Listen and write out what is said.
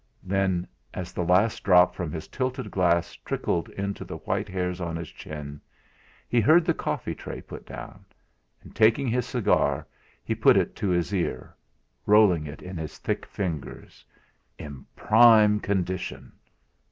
Then, as the last drop from his tilted glass trickled into the white hairs on his chin, he heard the coffee tray put down, and taking his cigar he put it to his ear, rolling it in his thick fingers. In prime condition!